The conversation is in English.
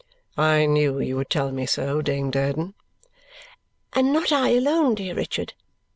"I knew you would tell me so, Dame Durden." "And not I alone, dear Richard.